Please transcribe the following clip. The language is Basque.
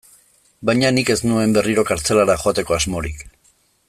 Baina nik ez nuen berriro kartzelara joateko asmorik.